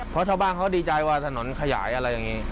เพราะชาวบ้านเขาดีใจว่าถนนขยายอะไรอย่างนี้